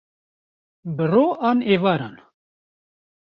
bi ro an êvaran